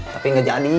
tapi gak jadi